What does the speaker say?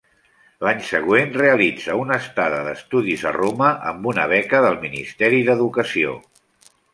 A l'any següent realitza una estada d'estudis a Roma amb una beca del Ministeri d'Educació.